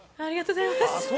ありがとうございます。